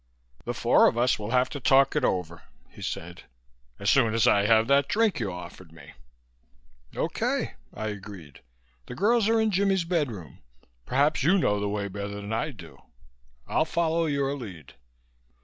"The four of us will have to talk it over," he said, "as soon as I have that drink you offered me." "Okay," I agreed. "The girls are in Jimmie's bedroom. Perhaps you know the way better than I do. I'll follow your lead."